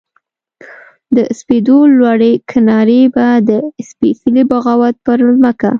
د سپېدو لوړې کنارې به د سپیڅلې بغاوت پر مځکه